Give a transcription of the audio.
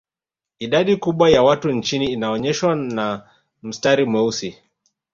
Idadi kubwa ya watu nchini inaonyeshwa na mstari mweusi